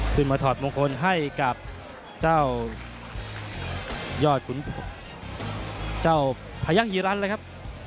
ขึ้นมาถอดมงคลให้กับเจ้าพยักษ์หิรันท์เลยครับ